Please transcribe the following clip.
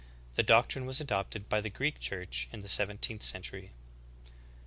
The doctrine was adopted by the Greek Chuich in the seventeenth century.'